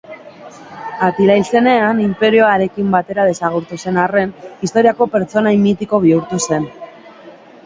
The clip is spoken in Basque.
Atila hil zenean, inperioa harekin batera desagertu zen arren, historiako pertsonaia mitiko bihurtu zen.